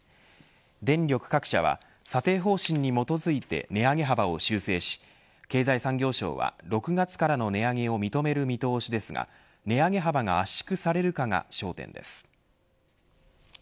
電力各社は査定方針に基づいて値上げ幅を修正し経済産業省は６月からの値上げを認める見通しですが値上げ幅が圧縮されるかが焦点です。